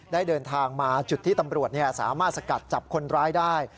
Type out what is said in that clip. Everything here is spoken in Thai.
เดินทางมาจุดที่ตำรวจสามารถสกัดจับคนร้ายได้